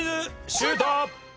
シュート！